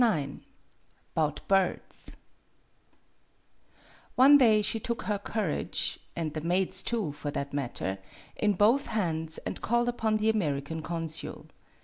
IX "'BOUT BIRDS" ONE day she took her courage, and the maid's too, for that matter, in both hands, and called upon the American consul.